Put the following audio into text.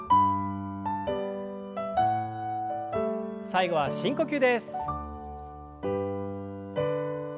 最後は深呼吸です。